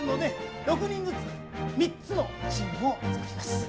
６人ずつ３つのチームを作ります。